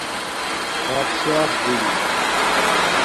باتشاس دِری